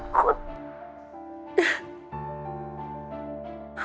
mama takut sekali elsa itu kena perkara lagi